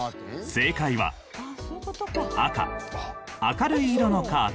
正解は赤明るい色のカーテン。